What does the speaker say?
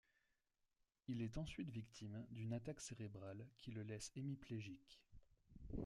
Il est ensuite victime d’une attaque cérébrale qui le laisse hémiplégique.